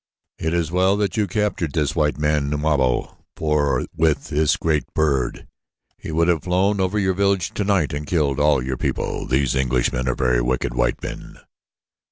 It is well that you captured this white man, Numabo, for with his great bird he would have flown over your village tonight and killed all your people. These Englishmen are very wicked white men."